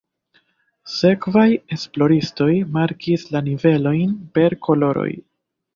Sekvaj esploristoj markis la nivelojn per koloroj.